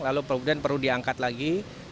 lalu kemudian perlu diangkat lagi